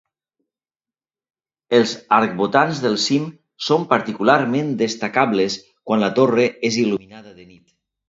Els arcbotants del cim són particularment destacables quan la torre és il·luminada de nit.